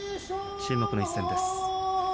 注目の一戦です。